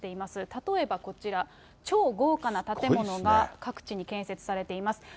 例えばこちら、超豪華な建物が各地に建設されています。